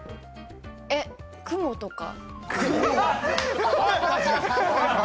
えっ、雲とか。